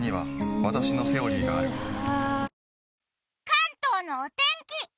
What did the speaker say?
関東のお天気！